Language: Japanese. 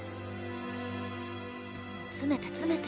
詰めて詰めて。